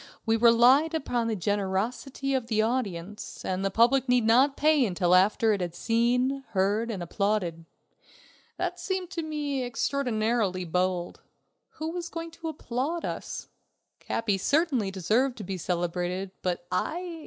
We relied upon the generosity of the audience, and the public need not pay until after it had seen, heard, and applauded. That seemed to me extraordinarily bold. Who was going to applaud us? Capi certainly deserved to be celebrated, but I ...